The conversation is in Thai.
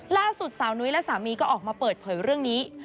ล่าสุดสาวนุ้ยและสามีก็ออกมาเปิดเผยเรื่องนี้